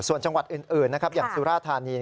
ส่วนจังหวัดอื่นนะครับอย่างสุราธานี